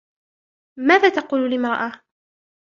ماذا تقول الإمرأة ؟